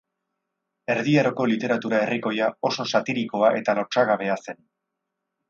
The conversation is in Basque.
Erdi Aroko literatura herrikoia oso satirikoa eta lotsagabea zen.